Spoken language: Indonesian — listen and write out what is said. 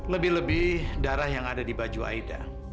lebih lebih darah yang ada di baju aida